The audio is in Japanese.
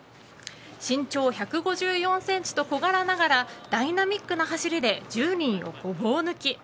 身長１５４ｃｍと小柄ながらダイナミックな走りで１０人をごぼう抜き。